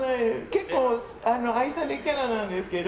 結構、愛されキャラなんですけど。